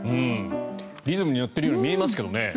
リズムに乗っているように見えますけどね。